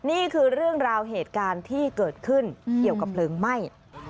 นี่คือเรื่องราวเหตุการณ์ที่เกิดขึ้นเกี่ยวกับเพลิงไหม้